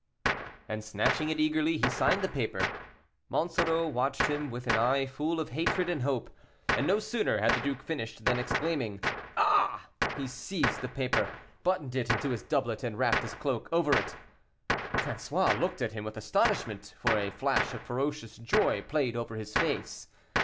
And, snatching it eagerly, he signed the paper. Monsoreau watched him with an eye full of hatred and hope, and no sooner had the duke finished than, exclaiming "Ah!" he seized the paper, buttoned it into his doublet, and wrapped his cloak over it. François looked at him with astonishment, for a flash of ferocious joy played over his face.